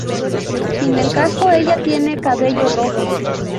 Sin el casco, ella tiene cabello rojo.